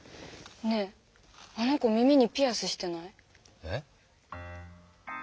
ねえあの子耳にピアスしてない？え？